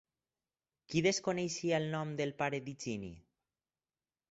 Qui desconeixia el nom del pare d'Higini?